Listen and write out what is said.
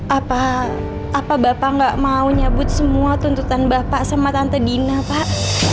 apa apa bapak nggak mau nyabut semua tuntutan bapak sama tante dina pak